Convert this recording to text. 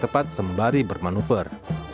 tembak tepat sembari bermanuver